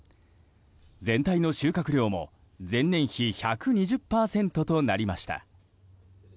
全体の収穫量も前年比１２０％となりました。